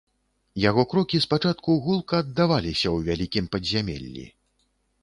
Яго крокі спачатку гулка аддаваліся ў вялікім падзямеллі.